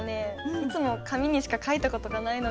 いつも紙にしか書いた事がないので。